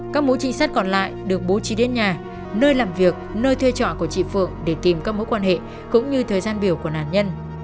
các mối trinh sát còn lại được bố trí đến nhà nơi làm việc nơi thuê trọ của chị phượng để tìm các mối quan hệ cũng như thời gian biểu của nạn nhân